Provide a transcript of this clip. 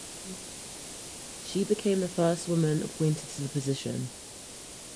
She became the first woman appointed to the position.